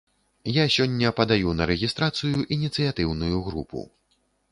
Я сёння падаю на рэгістрацыю ініцыятыўную групу.